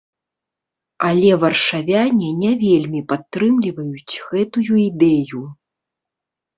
Але варшавяне не вельмі падтрымліваюць гэтую ідэю.